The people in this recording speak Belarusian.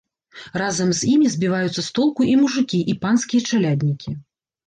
Разам з імі збіваюцца з толку і мужыкі, і панскія чаляднікі.